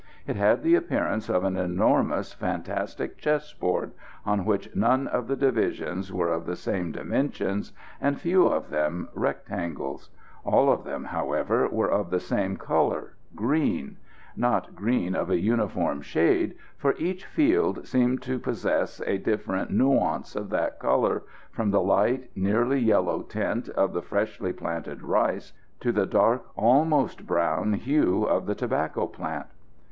It had the appearance of an enormous fantastic chess board, on which none of the divisions were of the same dimensions and few of them rectangular. All of them, however, were of the same colour green; not green of a uniform shade, for each field seemed to possess a different nuance of that colour, from the light, nearly yellow, tint of the freshly planted rice, to the dark, almost brown, hue of the tobacco plant.